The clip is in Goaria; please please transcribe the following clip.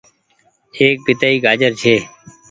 ايڪ پيتآئي گآجر ڇي ۔